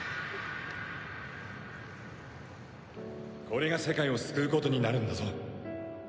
これが世界を救うことになるんだぞ。